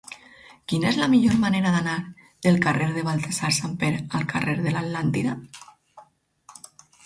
Quina és la millor manera d'anar del carrer de Baltasar Samper el carrer de l'Atlàntida?